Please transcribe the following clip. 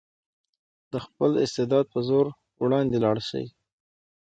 د خپل استعداد په زور وړاندې لاړ شئ.